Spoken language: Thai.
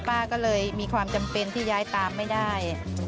ป้าก็เลยมีความจำเป็นที่ย้ายตามไม่ได้